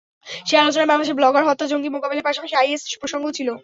সেই আলোচনায় বাংলাদেশে ব্লগার হত্যা, জঙ্গি মোকাবিলার পাশাপাশি আইএস প্রসঙ্গও ছিল।